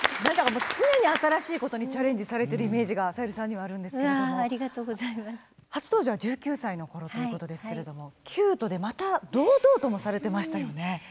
常に新しいことにチャレンジされているイメージがさゆりさんにはあるんですけども初登場が１９歳の時ということですがキュートで堂々ともされていましてよね。